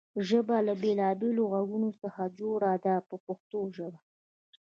ژبه له بېلابېلو غږونو څخه جوړه ده په پښتو ژبه.